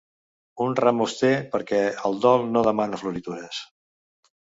Un ram auster, perquè el dol no demana floritures.